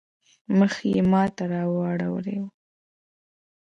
مخ يې ما ته رااړولی وو.